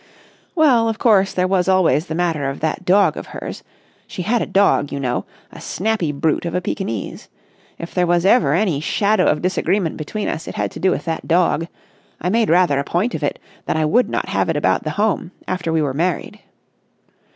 "Well, of course, there was always the matter of that dog of hers. She had a dog, you know, a snappy brute of a Pekinese. If there was ever any shadow of disagreement between us, it had to do with that dog. I made rather a point of it that I would not have it about the home after we were married."